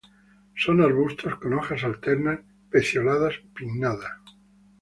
Son arbustos con hojas alternas, pecioladas, pinnadas.